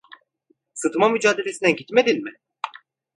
Sıtma Mücadelesi'ne gitmedin mi?